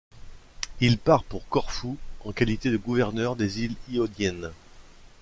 Il part pour Corfou en qualité de gouverneur des îles Ioniennes.